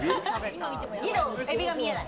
義堂、エビが見えない。